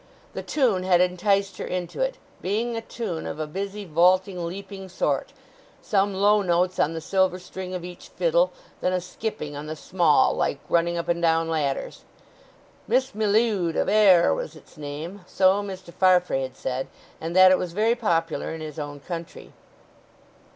The tune had enticed her into it; being a tune of a busy, vaulting, leaping sort—some low notes on the silver string of each fiddle, then a skipping on the small, like running up and down ladders—"Miss M'Leod of Ayr" was its name, so Mr. Farfrae had said, and that it was very popular in his own country.